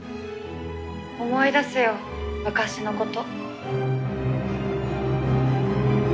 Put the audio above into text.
思い出すよ昔のこと。